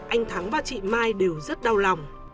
anh thắng và chị my đều rất đau lòng